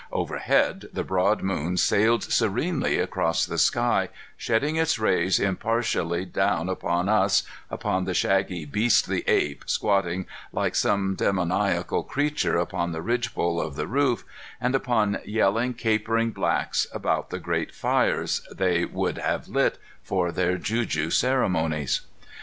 Overhead, the broad moon sailed serenely across the sky, shedding its rays impartially down upon us, upon the shaggy, beastly ape squatting like some demoniacal creature upon the ridgepole of the roof, and upon yelling, capering blacks about the great fires they would have lit for their juju ceremonies.